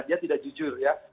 dia tidak jujur ya